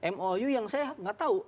mou yang saya nggak tahu